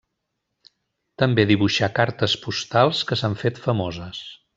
També dibuixà cartes postals que s'han fet famoses.